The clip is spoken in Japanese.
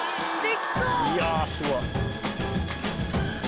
いやすごい。